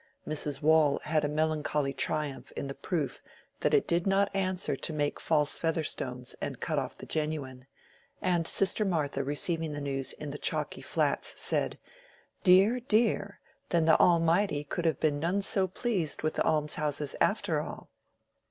Mrs. Waule had a melancholy triumph in the proof that it did not answer to make false Featherstones and cut off the genuine; and Sister Martha receiving the news in the Chalky Flats said, "Dear, dear! then the Almighty could have been none so pleased with the almshouses after all."